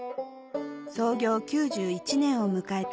創業９１年を迎えた